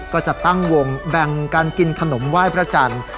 ก็จะตั้งวงแบ่งการกินขนมไหว้พระจันทร์